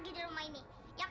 dari arah dalam